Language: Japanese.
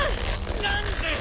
何で！